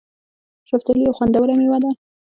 شفتالو یو خوندوره مېوه ده